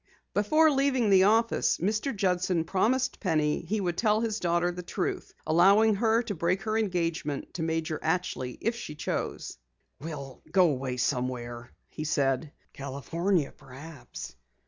Before leaving the office, Mr. Judson promised Penny he would tell his daughter the truth, allowing her to break her engagement to Major Atchley if she chose. "We'll go away somewhere," he said. "California, perhaps.